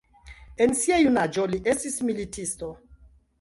En sia junaĝo li estis militisto.